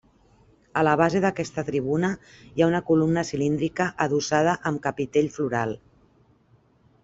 A la base d'aquesta tribuna hi ha una columna cilíndrica adossada amb capitell floral.